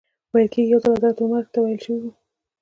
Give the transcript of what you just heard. ویل کېږي یو ځل حضرت عمر ته ویل شوي و.